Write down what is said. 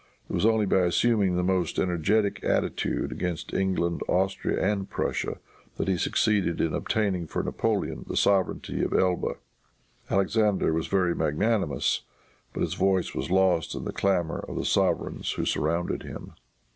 It was only by assuming the most energetic attitude against England, Austria and Prussia, that he succeeded in obtaining for Napoleon the sovereignty of Elba. Alexander was very magnanimous, but his voice was lost in the clamor of the sovereigns who surrounded him.